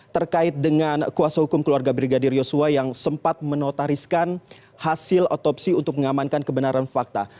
terkait dengan kuasa hukum keluarga brigadir yosua yang sempat menotariskan hasil otopsi untuk mengamankan kebenaran fakta